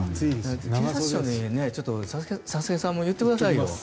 警察庁に佐々木さんも言ってくださいよ。